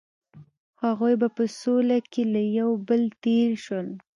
هغوی په سوله کې له یو بل تیر شول.